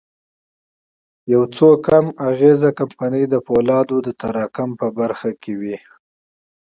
يو څو کم اغېزه کمپنۍ د پولادو د تراکم په برخه کې وې.